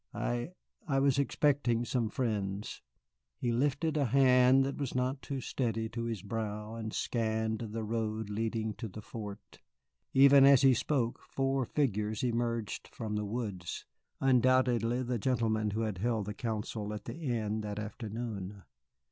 "I I was expecting some friends." He lifted a hand that was not too steady to his brow and scanned the road leading to the fort. Even as he spoke four figures emerged from the woods, undoubtedly the gentlemen who had held the council at the inn that afternoon.